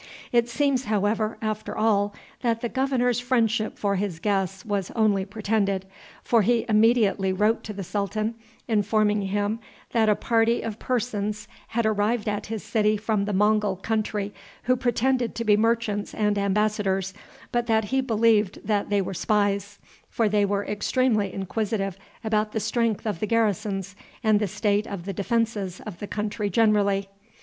It seems, however, after all, that the governor's friendship for his guests was only pretended, for he immediately wrote to the sultan, informing him that a party of persons had arrived at his city from the Mongul country who pretended to be merchants and embassadors, but that he believed that they were spies, for they were extremely inquisitive about the strength of the garrisons and the state of the defenses of the country generally.